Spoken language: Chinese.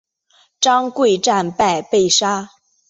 张贵战败被杀。